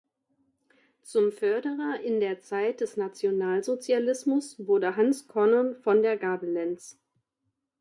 Zum Förderer in der Zeit des Nationalsozialismus wurde Hanns-Conon von der Gabelentz.